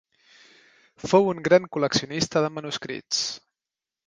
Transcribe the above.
Fou un gran col·leccionista de manuscrits.